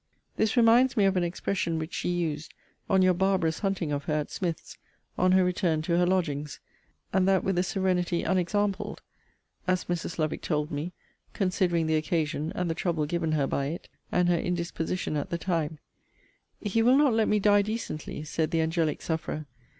This reminds me of an expression which she used on your barbarous hunting of her at Smith's, on her return to her lodgings; and that with a serenity unexampled, (as Mrs. Lovick told me, considering the occasion, and the trouble given her by it, and her indisposition at the time;) he will not let me die decently, said the angelic sufferer!